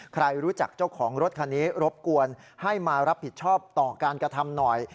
ใครรู้จักเจ้าของรถคันนี้รบกวนให้มารับผิดชอบต่อการกระทำหน่อย